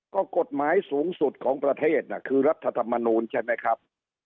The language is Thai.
ก็กฎหมายสูงสุดของประเทศน่ะคือรัฐธรรมนูลใช่ไหมครับ